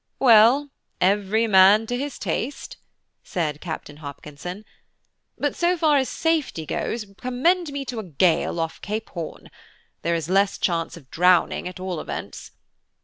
"Well; every man to his taste," said Captain Hopkinson, "but so far as safety goes, commend me to a gale off Cape Horn. There is less chance of drowning, at all events.